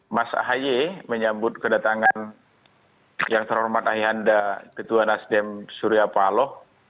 mas ahi menyambut kedatangan yang terhormat ahi handa ketua nasdem surya palo